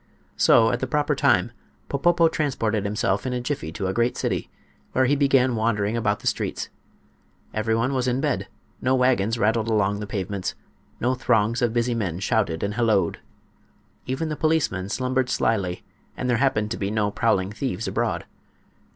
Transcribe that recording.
So at the proper time Popopo transported himself in a jiffy to a great city, where he began wandering about the streets. Everyone was in bed. No wagons rattled along the pavements; no throngs of busy men shouted and halloaed. Even the policemen slumbered slyly and there happened to be no prowling thieves abroad.